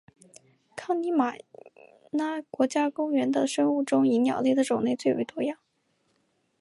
康尼玛拉国家公园的生物中以鸟类的种类最为多样。